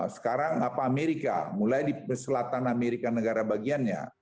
sekarang apa amerika mulai di selatan amerika negara bagiannya